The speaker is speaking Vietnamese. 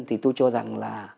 thì tôi cho rằng là